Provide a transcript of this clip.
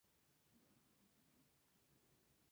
Smith es un adherente de la fe cristiana.